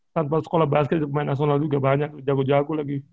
tanpa sekolah basket pemain nasional juga banyak jago jago lagi